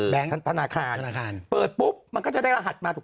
แบงค์ธนาภารแบงค์ธนาภารเบอร์มันก็จะได้รัฐมาถูก